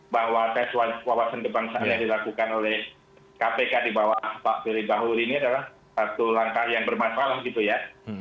bahwa tes wawasan kebangsaan yang dilakukan oleh kpk di bawah pak firly bahuri ini adalah satu langkah yang bermasalah gitu ya